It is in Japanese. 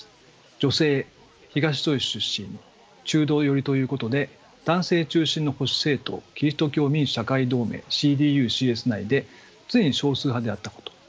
女性東ドイツ出身中道寄りということで男性中心の保守政党キリスト教民主・社会同盟内で常に少数派であったこと。